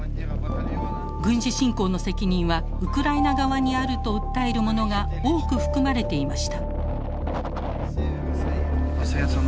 軍事侵攻の責任はウクライナ側にあると訴えるものが多く含まれていました。